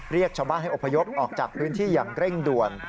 เรียกชาวบ้านให้อพยพออกจากพื้นที่อย่างเร่งด่วน